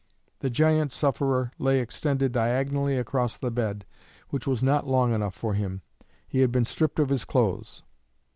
The giant sufferer lay extended diagonally across the bed, which was not long enough for him. He had been stripped of his clothes.